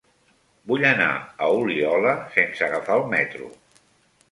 Vull anar a Oliola sense agafar el metro.